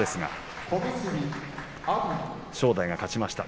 正代勝ちました。